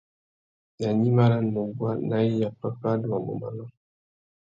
Nà gnïmá râ nuguá nà iya, pápá adumamú manô.